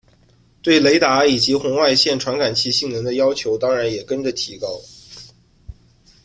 对雷达以及红外线传感器性能的要求当然也跟着提高。